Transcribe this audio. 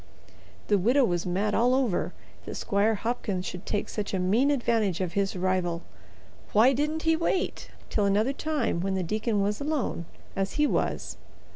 The widow was mad all over that Squire Hopkins should take such a mean advantage of his rival. Why didn't he wait till another time when the deacon was alone, as he was?